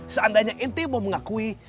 seandainya ente mau mengakui